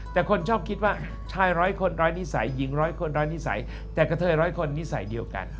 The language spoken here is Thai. แต่คนชอบคิดว่าชายร้อยคนร้ายนิสัยหญิงร้อยคนร้ายนิสัยแต่กระเทยร้อยคนนิสัยเดียวกัน